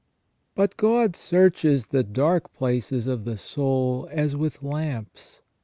But God searches the dark places of the soul as with lamps.